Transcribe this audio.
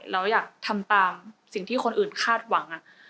เราอยากทำตามสิ่งที่คนอื่นคาดหวัง